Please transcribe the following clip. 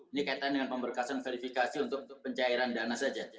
ini kaitan dengan pemberkasan verifikasi untuk pencairan dana saja